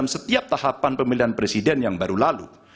setiap tahapan pemilihan presiden yang baru lalu